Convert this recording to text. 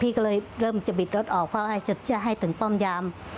พี่ก็เลยเริ่มจะบิดรถออกเพื่อให้จะให้ถึงป้อมยาม